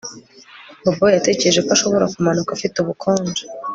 Bobo yatekereje ko ashobora kumanuka afite ubukonje